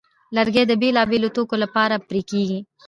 لرګی د بېلابېلو توکو لپاره پرې کېږي.